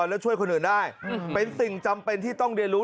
แล้วช่วยคนอื่นได้เป็นสิ่งจำเป็นที่ต้องเรียนรู้